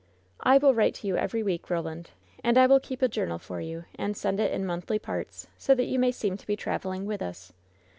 "I will write to you every week, Roland. And I will keep a journal for you, and send it in monthly parts^ so that you may seem to be traveling with us